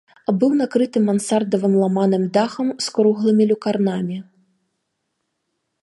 Быў накрыты мансардавым ламаным дахам з круглымі люкарнамі.